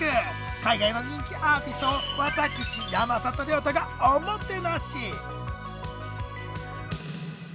海外の人気アーティストを私山里亮太がおもてなし！